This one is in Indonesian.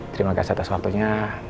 terima kasih atas waktunya